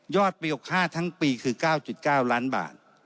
ปี๖๕ทั้งปีคือ๙๙ล้านบาท